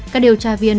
các điều tra viên